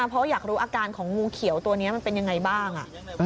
เพราะอยากรู้อาการของงูเขียวตัวนี้มันเป็นยังไงบ้าง